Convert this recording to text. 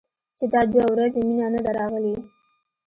چې دا دوه ورځې مينه نه ده راغلې.